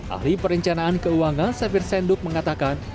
ahli perencanaan keuangan safir senduk mengatakan